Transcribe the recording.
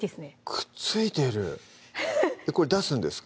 くっついてるこれ出すんですか？